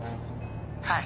はい。